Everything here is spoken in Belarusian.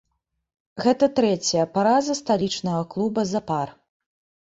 Гэта трэцяя параза сталічнага клуба запар.